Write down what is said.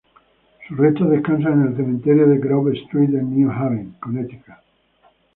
Sus restos descansan en el Cementerio de Grove Street, en New Haven, Connecticut.